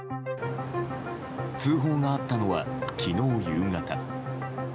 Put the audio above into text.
通報があったのは昨日夕方。